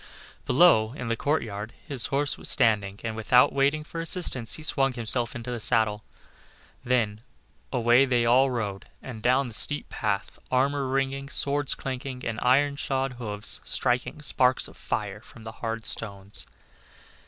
Below in the courtyard his horse was standing, and without waiting for assistance, he swung himself into the saddle. Then away they all rode and down the steep path, armor ringing, swords clanking, and iron shod hoofs striking sparks of fire from the hard stones.